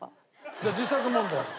じゃあ自作問題。